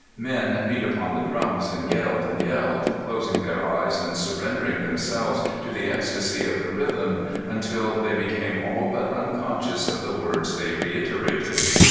Men beat upon the drums and yelled and yelled, closing their eyes and surrendering themselves to the ecstasy of the rhythm until they became all but unconscious of the words they reiterated.